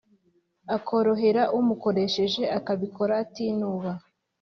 akorohera umukoshereje, akabikora atinuba